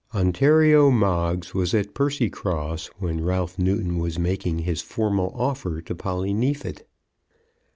Ontario Moggs was at Percycross when Ralph Newton was making his formal offer to Polly Neefit.